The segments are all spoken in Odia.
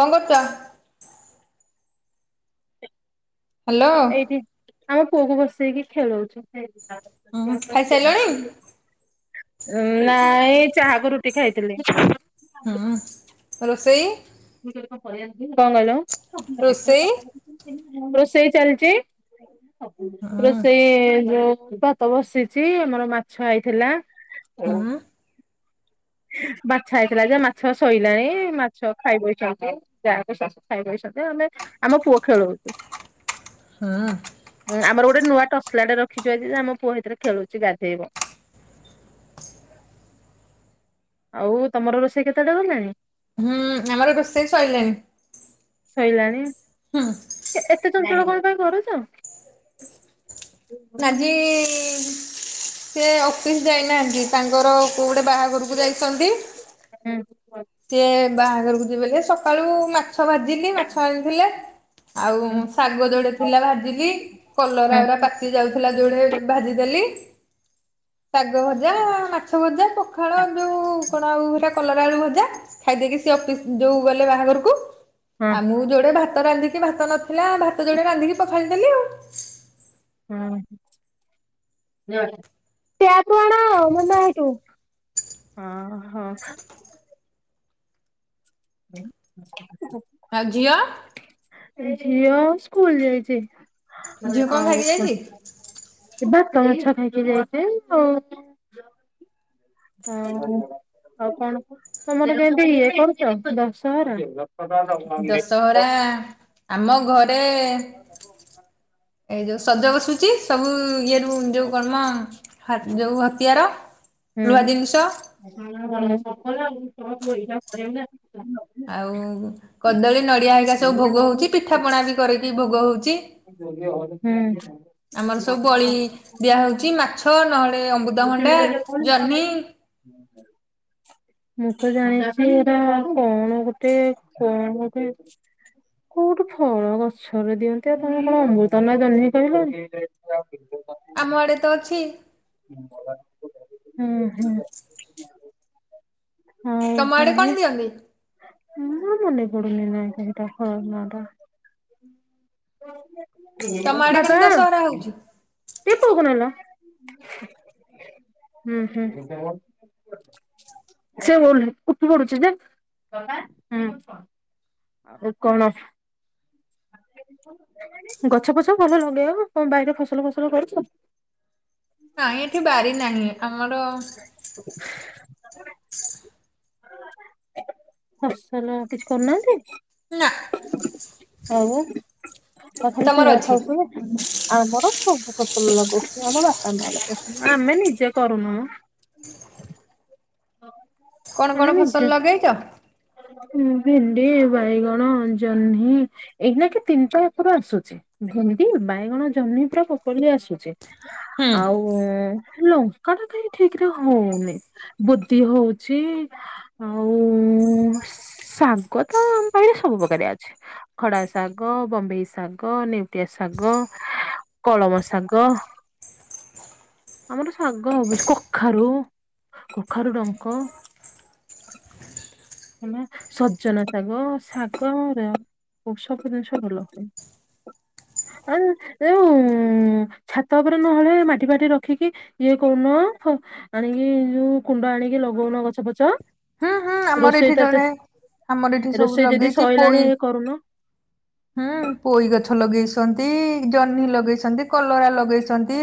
କଁ କରୁଚ? ହାଲୋ। ଏଇଠି ଆମ ପୁଅକୁ ବସେଇକି ଖେଳଉଚୁ। ହୁଁ ଖାଇସାଇଲଣି? ନାଇଁ ଚାହାକୁ ରୁଟି ଖାଇଥିଲି। ହୁଁ ରୋଷେଇ? କଁ କହିଲ, ରୋଷେଇ ରୋଷେଇ ଚାଲିଚି। ହୁଁ ରୋଷେଇ ଯୋଉ ଭାତ ବସିଛି ଆମର ମାଛ ଆଇଥିଲା। ହୁଁ। ମାଛ ଆଇଥିଲା ଯେ ମାଛ ସଇଲାଣି, ମାଛ ଖାଇ ବଇଚନ୍ତୁ ଯାଆ କୁ ଶାଶୁ ଖାଇବଇସ ରେ ଆମେ ଆମ ପୁଅ ଖେଳଉଚୁ। ହୁଁ। ଉଁ ଆମର ଗୋଟେ ନୂଆ ଟସଲାଟେ ରଖିଚୁ ଆଜି ଯେ ଆମ ପୁଅ ହେଇଥିରେ ଖେଳୁଚି ଗାଧେଇବ। [inaudible] ଆଉ ତମର ରୋଷେଇ କେତେ ବାଟ ଗଲାଣି? ଉଁ ଆମର ରୋଷେଇ ସଇଲାଣି । ସଇଲାଣି? ହୁଁ। ତେ ଚଞ୍ଚଳ କଣ ପାଇଁ କରୁଚ? ଆଜି ସେ ଅପିସ୍ ଯାଇନାହାନ୍ତି ତାଙ୍କର କୋଉ ଟେ ବାହାଘରୁକୁ ଯାଇଛନ୍ତି। ଟ୍ୟାପରୁ ସିଏ ବାହାଘରୁକୁ ଯିବେ ଯେ ସକାଳୁ ମାଛ ଭାଜିଲି ମାଛ ଆଣିଥିଲେ। ଆଉ ଶାଗ ଯୋଉଡ଼େ ଥିଲା ଭାଜିଲି। କଲର ଉରା ପାକି ଯାଉଥୁଲା ଯୋଉଡ଼େ ଭାଜିଦେଲି। ଶାଗ ଭଜା ମାଛ ଭଜା ପଖାଳ ଯୋଉ କଣ ଆଉ ହେରା କଲରା ଆଳୁ ଭଜା। ଖାଇଦେଇକି ସେ ଅପିସ୍ ଯୋଉ ଗଲେ ବାହାଘରୁକୁ। ଆ ମୁଁ ଯୋଡ଼େ ଭା ତ ରାନ୍ଧିକି ଭାତ ନଥିଲା ଭାତ ଯୋଡ଼େ ରାନ୍ଧିକି ପଖାଳିଦେଲି ଆଉ। ଉଁ ହୁଁ। ଟ୍ୟାପ୍ ରୁ ଆଣ ମନା ହେଠୁ। ହଁ ହଁ। [inaudible] ଆଉ ଝିଅ? ଝିଅ ସ୍କୁଲ ଯାଇଛି। ଝିଅ କଣ ଆଉ ଖାଇକି କ ଯାଇଛି ଏ ଭାତ, ମାଛ ଖାଇକି ଯାଇଛି। ଆଉ ହ ଆଉ କଣ? ତମର କେମିତି ଇଏ କରୁଛ ଦଶହରା? ଦଶହରା ଆମ ଘରେ ଏଇ ଯୋଉ ସଜ ବସୁଛି। ସବୁ ଇଏରୁ ଯେଉଁ କଣ ମ ହ ଯୋଉ ହତିଆର। ହୁଁ। ଲୁହା ଜିନିଷ ଆଉ କଦଳୀ, ନଡିଆ ହେରିକା ସବୁ ଭୋଗ ହଉଛି। ପିଠାପଣା ବି କରିକି ଭୋଗ ହଉ ହୁଁ। ଆମର ସବୁ ବଳି ଦିଆହଉଛି ମାଛ ନହେ ଲେ ଅମୃତଭଣ୍ଡା ଜହ୍ନି ମୁଁ ତ ଜାଣିଛି ଏରା କଣ ଗୋଟେ କଣ ଗୋଟେ କୋଉଠୁ ଫଳ ଗଛରେ ଦିଅନ୍ତେ। ତମେ କଣ ଅମୃତଭଣ୍ଡା ଜହ୍ନି କହିଲଣି? ଆମ ଆଡେ ତ ଅଛି। ହୁଁ ହୁଁ। ହଉ ତମ ଆଡେ କଣ ତାହାଲେ ଦିଅନ୍ତି? ମୋର ମନେ ପଡୁନି ନାଆଁଟା ହେଟା କଣ ନାଁ ଟା? ତମ ଆଡେ କେମିତି ବାପା ଦଶହରା ହଉଛି? ଟିକେ ପୁଅକୁ ନେଲ। ହୁଁ ହୁଁ । ସେ ଉ ଉଠି ପଡୁଛି ଯେ ଆଉ କଣ? ଗଛ ପଛ ଭଲ ଲଗେଇ ହବ। କଣ ବାଇରେ ଫସଲ ଫସଲ କରିଛ? ନାଇଁ ଏଠି ବାରି ନାହିଁ ଆମର ଫସଲ କିଛି କରୁନାହାନ୍ତି? ନା। ଆଉ କଣ ଖାଲି ତମର କିଣା ଅଛି ଖାଉଛନ୍ତି? ଆମର ସବୁ। ଫସଲ ଲଗଉଛନ୍ତି ଆମ ବାପା ମାଆ ଲଗୋଉଛନ୍ତି ଆମେ ନିଜେ କରୁନୁ ମ। କଣ କଣ ଆମେ ନିଜ ଫସଲ ଲଗେଇଛ? ହୁଁ। ଭେଣ୍ଡି, ବାଇଗଣ, ଜହ୍ନି ଏଇଖିନା କି ତିନିଟା ପୁରା ଆସୁଛି। ଭେଣ୍ଡି ବାଇଗଣ, ଜହ୍ନୀ ପୁରା ପ୍ରପର୍ଲି ଆସୁଛି। ହୁଁ ଆଉ ଲଙ୍କାଟା କାଇଁ ଠିକରେ ହଉନି। ବୋଦି ହଉଚି। ଆଉ ଶାଗ ତ ଆମ ବାଇରେ ସବୁ ପ୍ରକରିଆ ଅଛି। ଖଡାଶାଗ, ବମ୍ବେଇଶାଗ, ନେଉଟିଆଶାଗ, କଳମ ଶାଗ ଆମର ଶାଗ ହବୁଛି। କଖାରୁ କ କଖାରୁ ଡଙ୍କ ହେଲା ସଜନା ଶାଗ ସାଗର ଔଷ ପିରେନ୍ସ ଭଲ ପାଇଁ। ଆଉ ଏଉ ଛାତ ଉପରେ ନହଲେ ମାଟି ଫାଟି ରଖିକି ଇଏ କରୁନ ଫ ଆଣିକି ଯୋଉ କୁଣ୍ଡ ଆଣିକି ଲଗଉନ ଗଛ ପଛ। ହଁ ହଁ ଆମର ରୋଷେଇ ଏଠି ତ ଏତେ ଜଣେ ଆମର ଏଠି ସବୁ ରୋଷେଇ ଯଦି ଲଗେଇଛି ସଇଲାଣି ପୋଇ ଏ କରୁନ। ହୁଁ ପୋଇ ଗଛ ଲଗେଇଛନ୍ତି। ଜହ୍ନି ଲଗେଇଛନ୍ତି, କଲରା ଲଗେଇଛନ୍ତି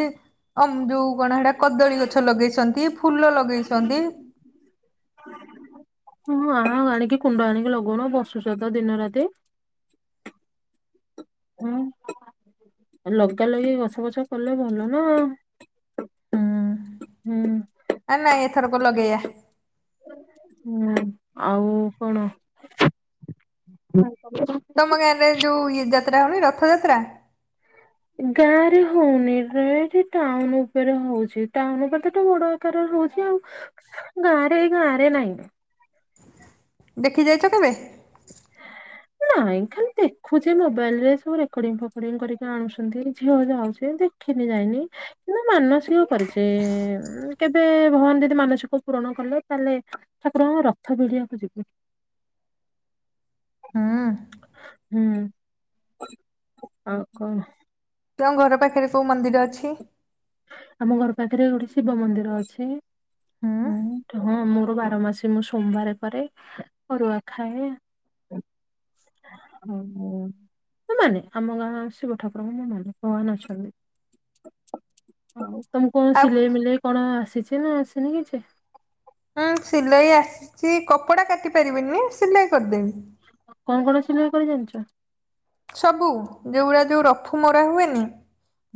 ଅମ ଯୋଉ କଣ ହେଟା କଦଳୀ ଗଛ ଲଗେଇଛନ୍ତି, ଫୁଲ ଲଗେଇଛନ୍ତି। ହଁ ଆ ଆଣିକି କୁଣ୍ଡ ଆଣିକି ଲଗଉନ ବସୁଚ ତ ଦିନରାତି। ହୁଁ। ଲଗା ଲଗି ଗଛ ବଛ କଲେ ଭଲ ନା ହୁଁ ହୁଁ। ନାଇଁ ଏଥରକ ଲଗେଇବା। ହୁଁ ଆଉ କଣ? ତମ ଗାଁରେ ଯୋଉ ଇଏ ଯାତ୍ରା ହଉନି ରଥ ଯାତ୍ରା ଗାଁ ରେ ହଉନି ଏଠି ଟାଉନ ଉପରେ ହଉଛି ଟାଉନ ଉପରେ ତ ବଡ ଆକାର ରହୁ ଚି ଆଉ ଗାଁ ରେ ଗାଁରେ ନାହିଁ। ଦେଖି ଯାଇଚ କେବେ? ନାଇଁ ଖାଲି ଦେଖୁଛେ ମୋବାଇଲ ରେ ସବୁ ରେକର୍ଡିଙ୍ଗ ଫେକୋଡିଂ କରିକି ଆଣୁଛନ୍ତି ଝିଅ ଯାଉଛି ଦେଖିନି ଯାଇନି କିନ୍ତୁ ମାନସିକ କରିଛି ମାନେ କେବେ ଭଗବାନ ଯଦି ମାନସିକ ପୂରଣ କଲେ ତାହେଲେ ଠାକୁରଙ୍କ ରଥ ଭିଡ଼ିବାକୁ ଯିବି। ହୁଁ ହୁଁ ଆଉ କଣ? ତମ ଘର ପାଖରେ କୋଉ ମନ୍ଦିର ଅଛି? ଆମ ଘର ପାଖରେ ଗୋଟେ ଶିବ ମନ୍ଦିର ଅଛି ହୁଁ ହୁଁ ହ ବାର ମାସେ ମୁଁ ସୋମବାର କରେ ଅରୁଆ ଖାଏ। ଓହୋ। ମଁ ମାନେ ଆମ ଗାଁ ଶିବ ଠାକୁରଙ୍କ ମୁଁ ମାନେ ଭଗବାନ ଅଛନ୍ତି। ତମକୁ କଣ ଆଉ ସିଲେଇ ମିଲେଇ କଣ ଆସିଛି ନା ଆସିନି କିଛି? ହୁଁ ସିଲେଇ ଆସିଛି କପଡ଼ା କାଟି ପାରିବିନି ସିଲେଇ କରିଦେବି। ହଁ। ସବୁ ଯୋଉଗୁଡ଼ା ଯୋଉ ରଫୁ ମରା ହୁଏନି।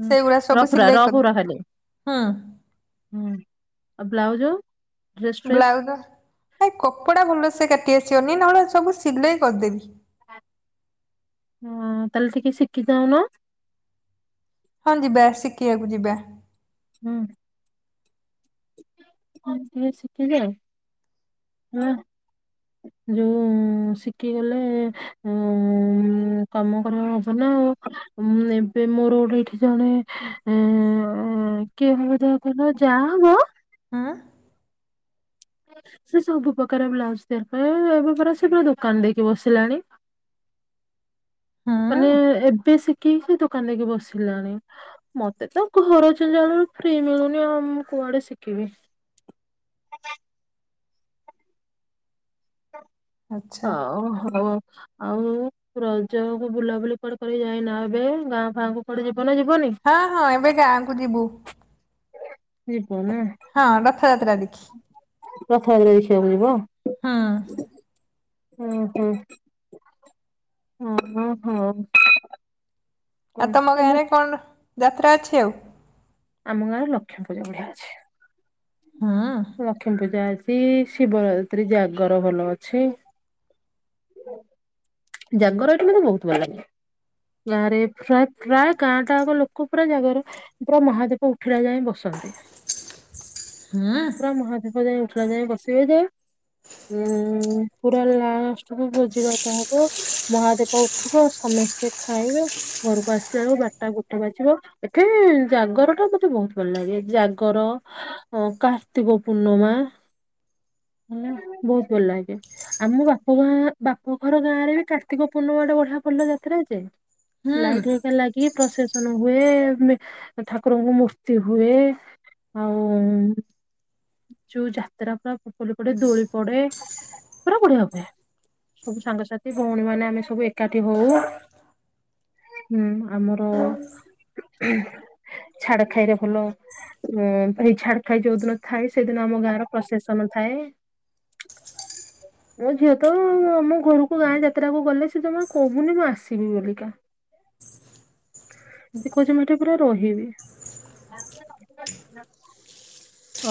ସେଇଗୁଡା ସବୁ ରପୁର ସିଲେଇ କରି ରପୁରା ଖାଲି। ହୁଁ ହୁଁ ଆଉ ବ୍ଲାଉଜ ଡ୍ରେସ ଫ୍ରେସ୍ ବ୍ଲାଉଜ ଏ କପଡା ଭଲ ସେ କାଟି ଆସିବନି ନା ହେଲେ ସବୁ ସିଲେଇ କରିଦେବି। ହଁ ତାହେଲେ ଟିକେ ଶିଖି ଯାଉନ। ହଁ ଯିବା ସିକିବାକୁ ଯିବା। ହୁଁ। ହଁ ଝିଅ ସିକି ଯାଉ ହେଲା। ଯୋଉ ଶିଖିଗଲେ ଉ କାମ କରିବା ହବ ନା? ଏବେ ମୋର ଗୋଟେ ଏଠି ଜଣେ କିଏ ମୁଁ ହଉ ଯାହା ହବ। ଆଁ। ସେ ସବୁ ପ୍ରକାର ବ୍ଲାଉଜ ତିଆରି କରେ ଏବେ ପରା ସେ ପୁରା ଦୋକାନ ଦେଇକି ବସିଲାଣି। ହୁଁ ମାନେ ଏବେ ଶିଖିକି ସେ ଦୋକାନ ଦେଇକି ବସିଲାଣି ମତେ ତ ଘରଜଞ୍ଜାଳରୁ ରୁ ଫ୍ରି ମିଳୁନି ଆଉ ମୁଁ କୁଆଡେ ଶିଖିବି। ଆଚ୍ଛା ହଁ ହୋଉ। ଆଉ ରଜ କୁ ବୁଲାବୁଲି କୁଆଡ଼େ କରି ଯାଇନ ଏବେ ଗାଁ ଫାଁକୁ କୁଆଡ଼େ ଯିବ? ନା ଯିବନି? ହଁ ହଁ ଏବେ ଗାଁକୁ ଯିବୁ। ହୁଁ। ହଁ ରଥଯାତ୍ରା ଦେଖି। ରଥଯାତ୍ରା ଦେଖିବାକୁ ଯିବ? ହଁ। ହୁଁ ହୁଁ ହ ଓ ହୋ। ଆଉ ତମ ଗାଁ ରେ କଣ ଯାତ୍ରା ଅଛି ଆଉ? ଆମ ଗାଁର ଲକ୍ଷ୍ମୀ ପୂଜା ବଢ଼ିଆ ଅଛି। ହୁଁ ଲକ୍ଷ୍ମୀ ପୂଜା ଅଛି ଶିବରାତ୍ରୀ ଜାଗର ଭଲ ଅଛି। ଜାଗର ଏଇଟି ମତେ ବହୁତ ଭଲ ଲାଗେ। ଗାଁ ରେ ପ୍ରା ପ୍ରାୟ ଗାଁ ଟା ଲୋକ ପୁରା ଜାଗାରେ ପୁରା ମହାଦେବ ଉଠିଲା ଯାଏ ବସ ହନ୍ତି। ହୁଁ ଉ। ଯାଗର ଉଠିଲ ଯାଏ ବସିବେ ଯେ ଉଁ ପୁରା ଲାଷ୍ଟକୁ ଭୋଜି ଭାତ ହବ ହ। ମହାଦେବ ଉଠିବ ସମସ୍ତେ ଖାଇବେ ଘରକୁ ଆସିଲା ବେଳକୁ ବାରଟା ଗୋଟେ ବାଜିବ ଏଠି ଇ ଜାଗର ଟା ମତେ ବହୁତ ଭଲ ଲାଗେ ଜାଗର କାର୍ତ୍ତିକ ପୂର୍ଣ୍ଣମା। ହ। ହେଲା ବହୁତୁ ଭଲ ଲାଗେ ଆମ ବାପ ମା ବାପ ହର ଗାଁରେ ବି କାର୍ତ୍ତିକ ପୂର୍ଣ୍ଣିମା ଗୋଟେ ଫଲ ଯାତ୍ରା ଯେ ହୁଁ ଲାଇଟ୍ ହେକା ଲାଗିକି ପ୍ରଶେସନ ହୁଏ ଠାକୁରଙ୍କୁ ମୂର୍ତ୍ତି ହୁଏ। ଆଉ ଯୋଉ ଯାତ୍ରା ପୁରା ପଡେ ଦୋଳି ପଡେ ପୁରା ବଢିଆ ହୁଏ। ସବୁ ସାଙ୍ଗସାଥି ଭଉଣୀ ମାନେ ଆମେ ସବୁ ଏକାଠି ହଉ ହୁଁ ଆମର ଛାଡ ଖାଇରେ ଭଲ ଉ ଏଇ ଛାଡ ଖାଇ ଯୋଉ ଦିନ ଥାଏ ସେଦିନ ଆମ ଗାଁର ପ୍ରଶେସନ ଥାଏ। ମୋ ଝିଅ ତ ଆମ ଘରକୁ ଗାଁ ଯାତ୍ରାକୁ ଗଲେ ସେ ଜମା କହୁନି ମୁଁ ଆସିବି ବୋଲିକା। ସେ କହୁଛି ମୁଁ ଏଠି ପୁରା ରହିବି।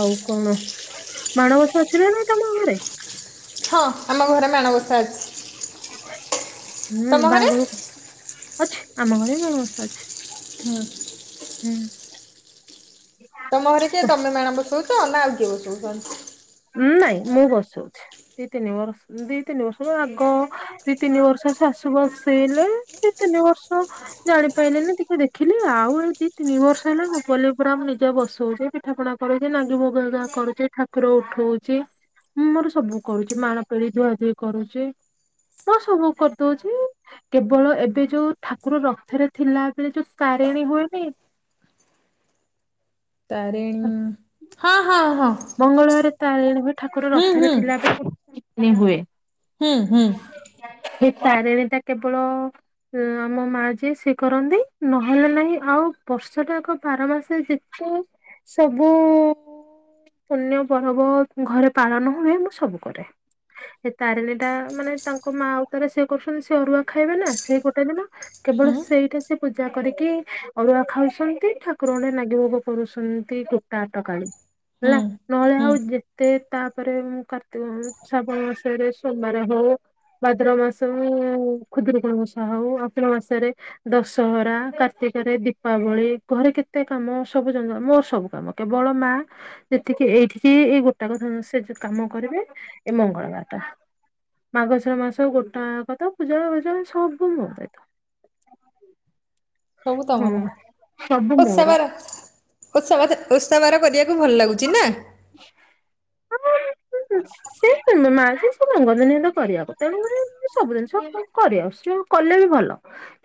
ଆଉ କଣ ମାଣବସା ଅଛି ନା ନାଇ ତମ ହାଡେ? ହଁ ଆମ ଘରେ ମାଣବସା ଅଛି। ହୁଁ ତମ ଘରେ ବାହାଘରକୁ ଅଛି ଆମ ଘରେ ବି ମଣବସା ଅଛି। ହୁଁ। ହୁଁ। ତମ ଘରେ କିଏ ତମେ ମାଣ ବସଉଛ ନା ଆଉ କିଏ ବସଉଛନ୍ତି। ନାଇଁ ମୁଁ ବସଉଛି ଦି ତିନି ବର୍ଷ ଦି ତିନି ବର୍ଷରୁ ଆଗ ଦି ତିନି ବର୍ଷ ସା ସୁ ବସେଇଲେ ଦି ତିନି ବର୍ଷ ଜାଣି ପଇଲିନି ଟିକେ ଦେଖିଲି ଆଉ ଏଇ ଦି ତିନି ବ ବର୍ଷେଇଲେ ମୁଁ ପଲି ପୁରା ମୁଁ ନିଜେ ବସଉଛି ପିଠା ପଣା କରୁଛି ନାଙ୍ଗି ମୁଗ କରୁଛି। ଠାକୁର ଉଠଉଛିଁ ମୋର ସବୁ କରୁଛି ମାଣ ପେଢ଼ି ଧୁଆ ଧୁଇ କରୁଛି। ମୁଁ ସବୁ କରିଦଉଛି କେବଳ ଏବେ ଯୋଉ ଠାକୁର ରଥରେ ଥିଲାବେଳେ ଯୋଉ କା ରିଣ ହୁଏ ନି ତାରିଣ ହଁ ହଁ ହଁ। ମଙ୍ଗଳବାରେ ତାରିଣୀ ଠାକୁର ହୁଁ ରଥରେ ହୁଁ ଥିଲାବେଳେ ହିଁ ହୁଏ। ହୁଁ ହୁଁ। ଏଇ ତାରିଣୀ ଟା କେବଳ ଆମ ମା ଯିଏ ସିଏ କରନ୍ତି ନହେଲେ ନାହିଁ ଆଉ ଆଉ ବର୍ଷ ଟା ଯାକ ବାର ମାସ ଯେତେ ସବୁ ପୁଣ୍ୟ ପର୍ବ ଘରେ ପାଳନ ହୁଏ। ମୁଁ ସବୁ କରେ। ଏ ତାରିଣୀ ଟା ମାନେ ତାଙ୍କ ମା ଉ ତରେ ସିଏ କରୁଛନ୍ତି ସେ ଅରୁଆ ଖାଇବେ ନା ସେ ଗୋଟେ ଦିନ କେବଳ ହୁଁ ସେଇଟା ସେ ପୂଜା କରିକି ଅରୁଆ ଖାଉଛନ୍ତି ଠାକୁର ଙ୍କ ଠି ନାଗି ଭୋଗ କରୁଶ୍ ନ୍ତି କୁଟା ଅଟକାଳି ହେଲା ହୁଁ ନହଲେ ହୁଁ ଆଉ ଯେତେ ତାପରେ ମୁ କାର୍ତ୍ତିକ ଶ୍ରାବଣ ମାସରେ ସୋମବାର ହଉ ଭଦ୍ରବ ମାସ ରେ ଖୁଦୁରି କୁଣି ଓଷା ହଉ ଆସିନ ମାସରେ ଦଶହରା କାର୍ତି ରେ ଦୀପାବଳି ଘରେ କେତେ କାମ ସବୁ ଜଙ୍କ ମୋ ସବୁ କାମ କେବଳ ମା ଯେତିକି ଏଇଠିକି ଏଇ ଗୋଟା କଥା ସେ କାମ କରିବେ ଏମ୍ ମଙ୍ଗଳବାର ଟା। ମାର୍ଗଶିର ମାସ ଗୋଟାଯାକ ପୂଜା ଫୁଜା ସବୁ ମୋ ଦାୟିତ୍ୱ। ସବୁ ହଁ ତମର ସବୁ ଓଷା ମୋର ବାର ଓଷା ବାର ଓଷା ବାର କରିବାକୁ ଭଲ ଲାଗୁଛି ନା। ସେ ତ ମା ଯିଏ ସବୁ ମଙ୍ଗତିନି କରିବାକୁ ତେଣୁ କରି ସବୁ ଜିନିଷ କରିଆସିଛି କଲେ ବି ଭଲ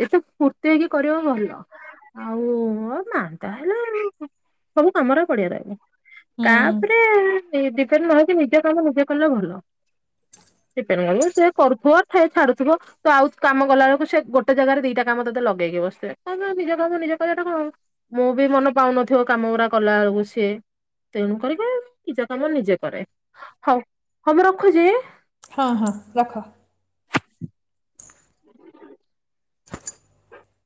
ଏତ ଫୁର୍ତ୍ତି ହେଇକି କରିବ ଭଲ ଆଉ ମା ତାହେଲେ [inaudible] ସବୁ କାମରା ପଡିଆ ରହିବ ହୁଁ ତାପରେ ନିଜ କାମ ନିଜେ କଲେ ଭଲ। ପେ କରିବ ସେ କରୁଥିବ ଏ ଛାଡୁଥିବ ତ ଆଉ କାମ ଗଲା ବେଳକୁ ସେ ଗୋଟେ ଜାଗାରେ ଦିଟା କାମ ତେ ଲଗେଇକି ବସିଥିବେ, କ ନିଜ କାମ ନିଜ କଟା କଣ ମୁଁ ବି ମନ ପାଉନଥିବ କାମ ଗୁରା କଲା ବେଳକୁ ସିଏ ତେଣୁ କର ନିଜ କାମ ନିଜେ କରେ ହଉ ହ ମୁଁ ରଖୁଛି। ହଁ ହଁ ରଖ। [inaudible]